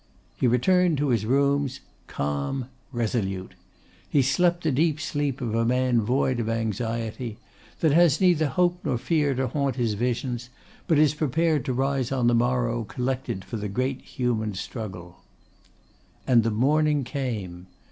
He returned to his rooms; calm, resolute. He slept the deep sleep of a man void of anxiety, that has neither hope nor fear to haunt his visions, but is prepared to rise on the morrow collected for the great human struggle. And the morning came.